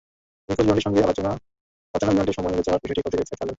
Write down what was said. নিখোঁজ বিমানটির সঙ্গে অচেনা বিমানটির সময় মিলে যাওয়ার বিষয়টি খতিয়ে দেখছে থাইল্যান্ড।